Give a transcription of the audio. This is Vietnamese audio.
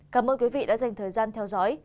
cảm ơn quý vị đã dành thời gian theo dõi